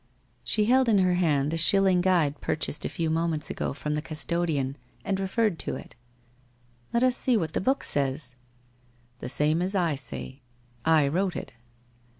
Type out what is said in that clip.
She held in her hand a shilling guide purchased a few moments ago from the custodian, and referred to it. ' Let us see what the book says.' ' The same as I say. I wrote it.'